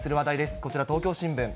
こちら、東京新聞。